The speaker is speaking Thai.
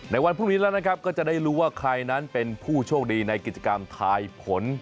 วันพรุ่งนี้แล้วนะครับก็จะได้รู้ว่าใครนั้นเป็นผู้โชคดีในกิจกรรมทายผล